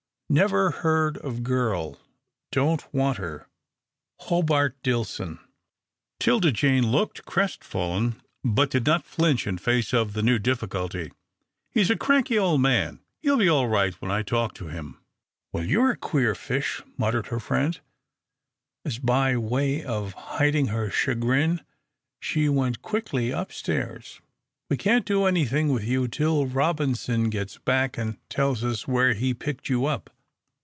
"Never heard of girl. Don't want her. Hobart Dillson." 'Tilda Jane looked crestfallen, but did not flinch in face of the new difficulty. "He's a cranky ole man. He'll be all right when I talk to him." "Well, you're a queer fish," muttered her friend, as by way of hiding her chagrin she went quickly up stairs. "We can't do anything with you till Robinson gets back, and tells us where he picked you up."